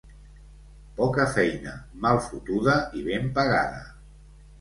Poca feina, mal fotuda i ben pagada.